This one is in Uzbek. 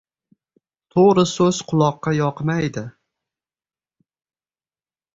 • To‘g‘ri so‘z quloqqa yoqmaydi.